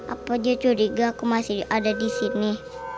apa dia curiga aku masih ada di sini